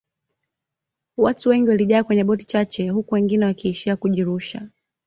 watu wengi walijaa kwenye boti chache huku wengine wakiishia kujirusha